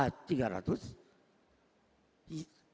turboprop yang pertama adalah